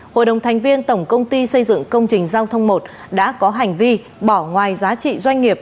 hội đồng thành viên tổng công ty xây dựng công trình giao thông một đã có hành vi bỏ ngoài giá trị doanh nghiệp